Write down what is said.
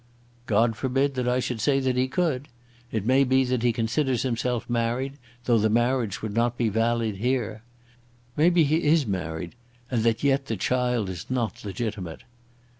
"God forbid that I should say that he could. It may be that he considers himself married, though the marriage would not be valid here. Maybe he is married, and that yet the child is not legitimate."